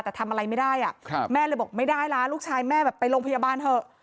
แต่ทำอะไรไม่ได้อ่ะครับแม่เลยบอกไม่ได้ละลูกชายแม่แบบไปโรงพยาบาลเถอะ